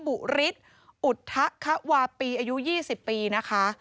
บุฤทธิ์อุทธควาปีอายุ๒๐ปีนะคะ